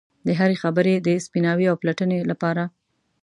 د هرې خبرې د سپیناوي او پلټنې لپاره.